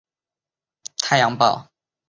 曾在仰光帮助建立太阳报。